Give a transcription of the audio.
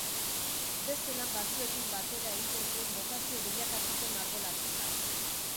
Beste lan batzuekin batera egiten zuen bokazio bilakatu zen margolaritza.